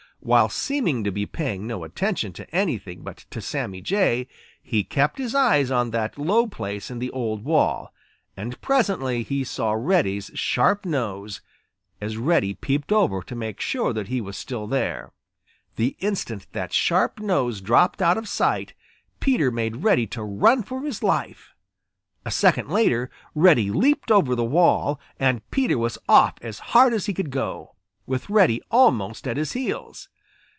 While seeming to be paying no attention to anything but to Sammy Jay, he kept his eyes on that low place in the old wall, and presently he saw Reddy's sharp nose, as Reddy peeped over to make sure that he was still there. The instant that sharp nose dropped out of sight, Peter made ready to run for his life. A second later, Reddy leaped over the wall, and Peter was off as hard as he could go, with Reddy almost at his heels.